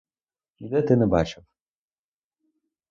Ніде ти не бачив!